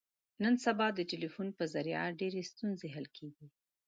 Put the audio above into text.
نن سبا د ټلیفون په ذریعه ډېرې ستونزې حل کېږي.